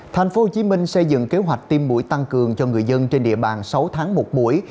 thành phố hồ chí minh xây dựng kế hoạch tiêm mũi tăng cường cho người dân trên địa bàn sáu tháng một buổi